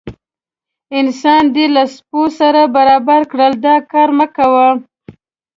انسان دې له سپو سره برابر کړل دا کار مه کوه.